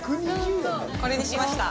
これにしました。